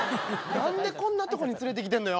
何でこんなとこに連れてきてんのよ。